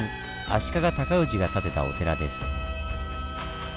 足利尊氏が建てたお寺です。